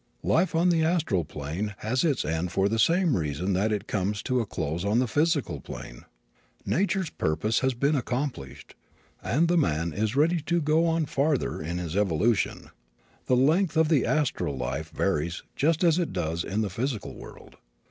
Life on the astral plane has its end for the same reason that it comes to a close on the physical plane. Nature's purpose has been accomplished and the man is ready to go on farther in his evolution. The length of the astral life varies just as it does in the physical world.